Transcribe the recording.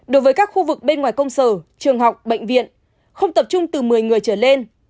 đối với các khu vực bên ngoài công sở trường học bệnh viện không tập trung từ một mươi người trở lên